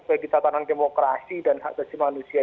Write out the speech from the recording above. bagi tatanan demokrasi dan hak asasi manusia